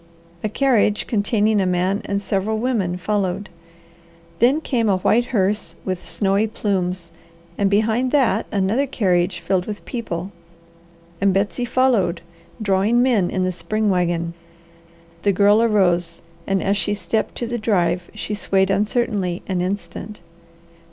A carriage containing a man and several women followed. Then came a white hearse with snowy plumes, and behind that another carriage filled with people, and Betsy followed drawing men in the spring wagon. The Girl arose and as she stepped to the drive she swayed uncertainly an instant.